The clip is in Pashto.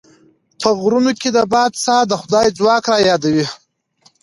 په غرونو کې د باد ساه د خدای ځواک رايادوي.